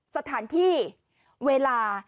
สถานที่เวลา